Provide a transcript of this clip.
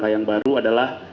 fakta yang baru adalah